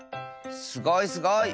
すごいすごい。